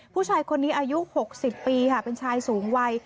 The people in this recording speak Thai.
ผู้ชายคนนี้อายุ๖๐ปีค่ะเป็นชายสูงวัย